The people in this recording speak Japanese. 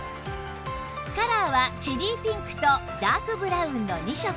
カラーはチェリーピンクとダークブラウンの２色